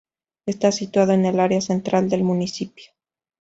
Está situado en el área central del municipio.